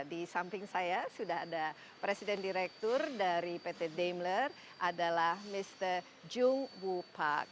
di samping saya sudah ada presiden direktur dari pt daimler adalah mr jung wu park